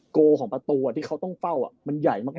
โกลของประตูที่เขาต้องเฝ้ามันใหญ่มาก